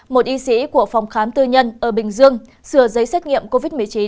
một y sĩ của phòng khám tư nhân ở bình dương sửa giấy xét nghiệm covid một mươi chín